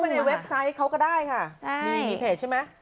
ในเว็บไซต์เขาก็ได้ค่ะใช่มีเพจใช่ไหม